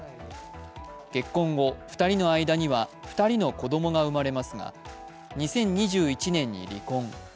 結婚後、２人の間には２人の子供が生まれますが、２０２１年に離婚。